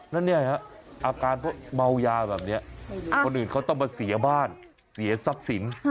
นั่นนี่ฮะอาการเมายาแบบนี้คนอื่นเขาต้องมาเสียบ้านเสียศักดิ์สิน